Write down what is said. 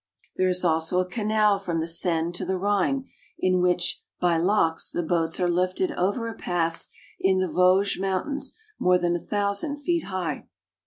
There is also a canal from the Seine to the Rhine, in which by locks the boats are lifted over a pass in the Vosges Mountains more than a thousand feet high.